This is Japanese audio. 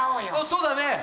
そうだね！